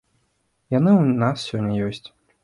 Яны ў нас сёння ёсць.